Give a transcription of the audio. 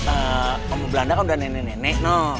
eh kamu belanda kan udah nenek nenek